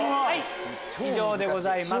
以上でございます。